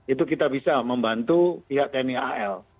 itu kita bisa membantu pihak tni al